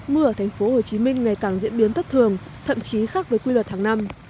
mưa ở thành phố hồ chí minh ngày càng diễn biến thất thường thậm chí khác với quy luật tháng năm